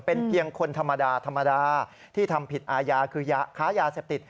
เป็นเพียงคนธรรมดาธรรมดาที่ทำผิดอาญาคือค้ายาเสพติด